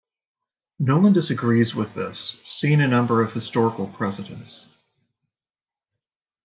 Nolland disagrees with this, seeing a number of historical precedents.